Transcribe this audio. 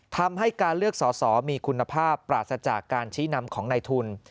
ทำให้การเลือกสอสอมีคุณภาพปราศจากการชี้นำของในทุน